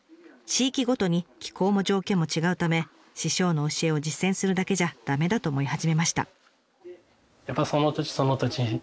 地域ごとに気候も条件も違うため師匠の教えを実践するだけじゃ駄目だと思い始めました。